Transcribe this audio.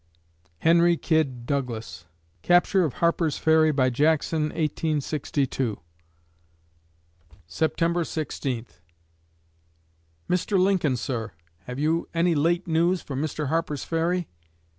HENRY KYD DOUGLAS Capture of Harper's Ferry by Jackson, 1862 September Sixteenth Mr. Lincoln, sir, have you any late news from Mr. Harper's Ferry?